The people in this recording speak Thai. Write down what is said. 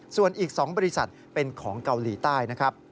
ส่วนอีก๒บริษัทเป็นของเกาหลีใต้นะครับ